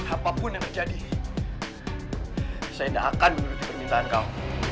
apapun yang terjadi saya tidak akan menuruti permintaan kamu